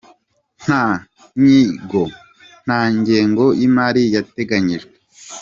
Nta nyigo ,nta ngengo y’imari yateganijwe.